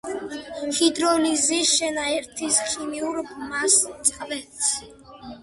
ჰიდროლიზი შენაერთის ქიმიურ ბმას წყვეტს.